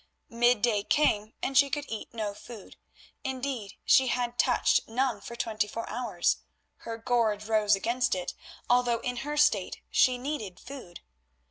Midday came and she could eat no food; indeed, she had touched none for twenty four hours; her gorge rose against it, although in her state she needed food.